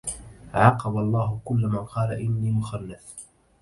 عاقب الله كل من قال إني مخنث